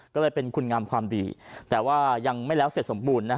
ก็เลยเป็นคุณงามความดีแต่ว่ายังไม่แล้วเสร็จสมบูรณ์